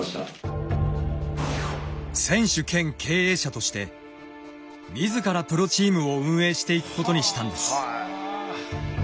として自らプロチームを運営していくことにしたんです。